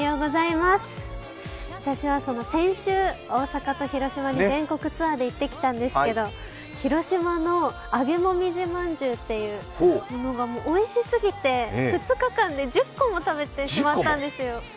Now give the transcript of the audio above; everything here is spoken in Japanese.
私は先週、大阪と広島に全国ツアーで行ってきたんですが広島の揚げもみじまんじゅうがおいしすぎて、２日間で１０個も食べてしまったんですよ。